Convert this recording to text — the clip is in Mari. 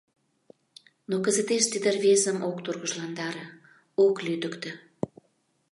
Но кызытеш тиде рвезым ок тургыжландаре, ок лӱдыктӧ.